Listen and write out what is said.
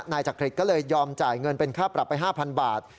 นายจักริตก็เลยยอมจ่ายเงินเป็นค่าปรับไป๕๐๐บาท